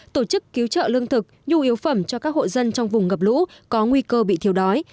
tổ chức cứu trợ lương thực nhu yếu phẩm cho các hộ dân trong vùng ngập lũ có nguy cơ bị thiếu đói